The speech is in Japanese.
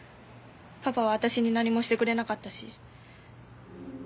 パパは私に何もしてくれなかったし。